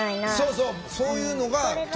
そうそうそういうのが特に。